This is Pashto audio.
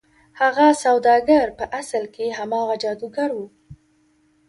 هغه سوداګر په اصل کې هماغه جادوګر و.